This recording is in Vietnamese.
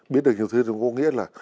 biết được nhiều thứ thì có nghĩa là